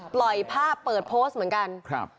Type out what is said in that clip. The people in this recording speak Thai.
ปล่อยภาพเปิดโพสต์เหมือนกันครับ